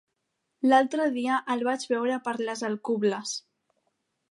L'altre dia el vaig veure per les Alcubles.